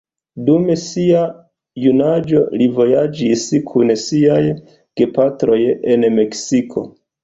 Dum sia junaĝo li vojaĝis kun siaj gepatroj en Meksiko.